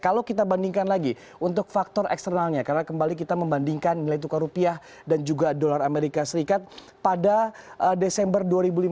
kalau kita bandingkan lagi untuk faktor eksternalnya karena kembali kita membandingkan nilai tukar rupiah dan juga dolar amerika serikat pada desember dua ribu lima belas